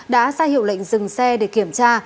đã ra hiệu lệnh dừng xe để kiểm tra